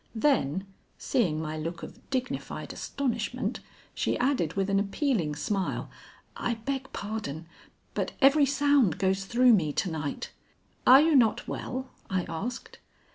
Then, seeing my look of dignified astonishment, she added with an appealing smile, "I beg pardon, but every sound goes through me to night." "Are you not well?" I asked.